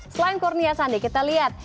selain kurnia sandi kita lihat